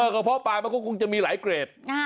เพาะปลามันก็คงจะมีหลายเกรด